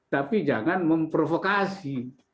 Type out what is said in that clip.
tapi jangan memprovokasi